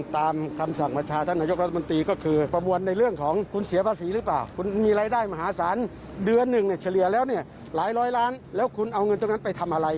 แต่แล้วเนี่ยหลายร้อยร้านแล้วคุณเอาเงินตรงนั้นไปทำอะไร